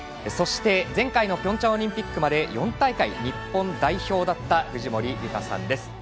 そして、前回のピョンチャンオリンピックまで４大会、日本代表だった藤森由香さんです。